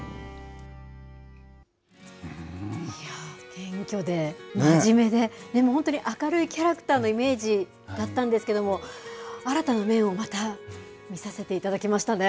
謙虚で、真面目で、でも本当に明るいキャラクターのイメージだったんですけども、新たな面をまた見させていただきましたね。